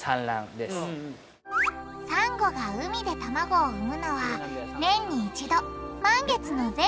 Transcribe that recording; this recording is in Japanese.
サンゴが海で卵を産むのは年に一度満月の前後の夜。